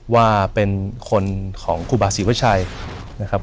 ว่าเป็นคนของครูบาศรีวชัยนะครับ